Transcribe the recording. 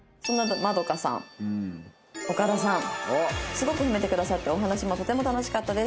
すごく褒めてくださってお話もとても楽しかったです。